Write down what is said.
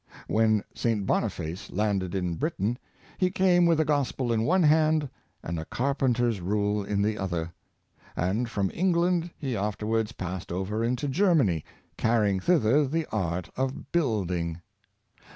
When St. Boniface land ed in Britain, he came with a gospel in one hand and a carpenter's rule in the other; and from England he af terwards passed over into Germany, carrying thither the art of building.